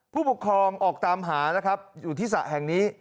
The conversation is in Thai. ผู้ปกครองออกตามหานะครับอยู่ที่สระแห่งนี้